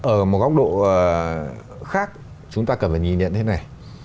ở một góc độ khác chúng ta cần phải nhìn nhận thế này